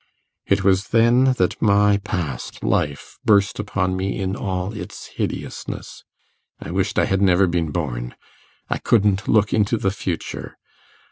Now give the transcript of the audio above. It was then that my past life burst upon me in all its hideousness. I wished I had never been born. I couldn't look into the future.